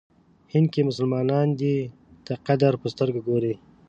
هند کې مسلمانان دی ته قدر په سترګه ګوري.